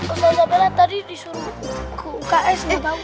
ustadz abel tadi disuruh ke uks